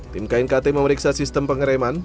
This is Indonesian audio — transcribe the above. tim knkt memeriksa sistem pengereman